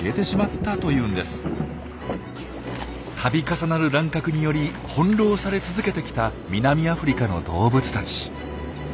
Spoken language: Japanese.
たび重なる乱獲により翻弄され続けてきた南アフリカの動物たち。